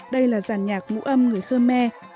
đây là giàn nhạc ngũ âm người khơ me